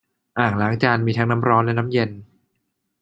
อ่างล้างจานมีทั้งน้ำร้อนและน้ำเย็น